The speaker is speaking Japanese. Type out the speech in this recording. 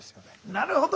なるほど。